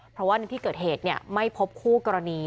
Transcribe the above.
เพราะว่าในตำรวจที่เกิดเหตุเนี่ยไม่พบคู่กรณี